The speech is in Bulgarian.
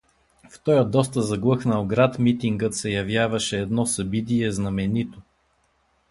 В тоя доста заглъхнал град митингът се явяваше едно събитие знаменито.